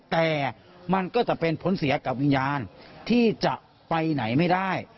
แต่มันก็จะเป็นผลเสียกับวิญญาณที่จะไปไหนไม่ได้